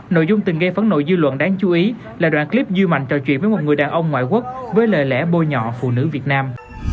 nội dung từng gây phấn nội dư luận đáng chú ý là đoạn clip dư mạnh trò chuyện với một người đàn ông ngoại quốc với lời lẽ bôi nhọ phụ nữ việt nam